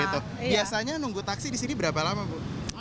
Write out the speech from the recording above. biasanya nunggu taksi di sini berapa lama bu